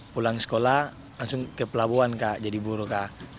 pulang sekolah langsung ke pelabuhan kak jadi buruh kak